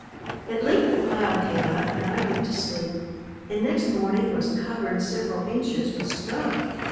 At length a cloud came up and I went to sleep, and next morning was covered several inches with snow.